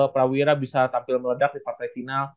prawira bisa tampil meledak di partai final